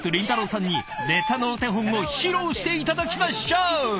さんにネタのお手本を披露していただきましょう］